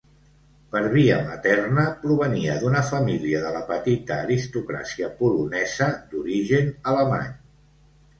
Per via materna provenia d'una família de la petita aristocràcia polonesa d'origen alemany.